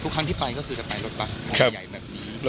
ครับ